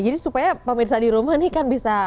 jadi supaya pemirsa di rumah ini kan bisa